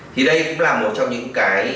thì đây cũng là một trong những cái